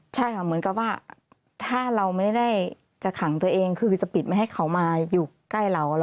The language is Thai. ใช่ค่ะเหมือนกับว่าถ้าเราไม่ได้จะขังตัวเองคือจะปิดไม่ให้เขามาอยู่ใกล้เรา